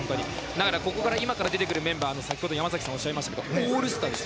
ここから今から出てくるメンバー先ほども山崎さんおっしゃっていましたがオールスターです。